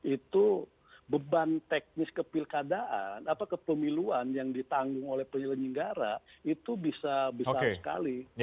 itu beban teknis ke pilkadaan apa ke pemiluan yang ditanggung oleh penyelenggara itu bisa besar sekali